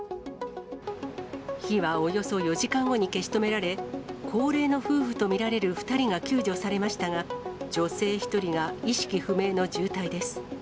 火はおよそ４時間後に消し止められ、高齢の夫婦と見られる２人が救助されましたが、女性１人が意識不明の重体です。